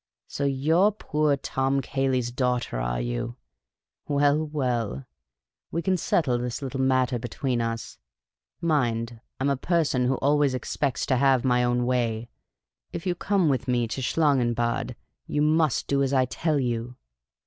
So you 're poor Tom Cayley 's daughter, are you ? Well, well, we can 14 Miss Cay ley's Adventures settle this little matter between us. Mind, I 'ni a person who always expects to have my own way. If you come with me to Schlangenbad, you must do as I tell you."